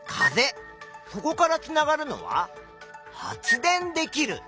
そこからつながるのは「発電できる」。